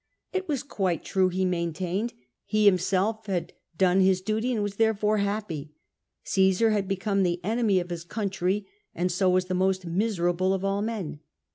It was quite true, he maintained : he himself had done his duty, and was therefore happy. Caesar had become the enemy of his country, and so was the most miserable of all men.